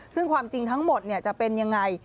ซึ่งความจริงทั้งหมดจะเป็นยังไง